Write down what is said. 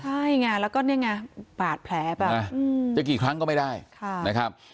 ใช่ไงแล้วก็นี่ไงบาดแผลแบบจะกี่ครั้งก็ไม่ได้นะครับ